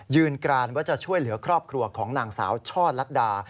กรานว่าจะช่วยเหลือครอบครัวของนางสาวช่อลัดดา